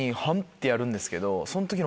てやるんですけど。